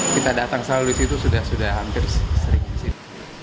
kita datang selalu di situ sudah hampir sering di situ